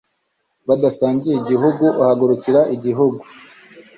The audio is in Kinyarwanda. Bidasangiye igihugu Uhagurukira igihugu,